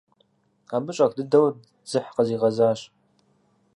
Абы щӀэх дыдэ дзыхь къызигъэзащ.